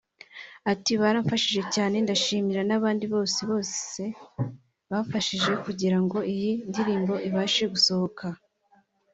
Ati “Baramfashije cyaneee ndashimira n’abandi bose bose bamfashije kugira ngo iyi ndirimbo ibashe gusohoka